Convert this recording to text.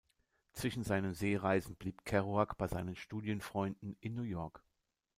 Zwischen seinen Seereisen blieb Kerouac bei seinen Studienfreunden in New York.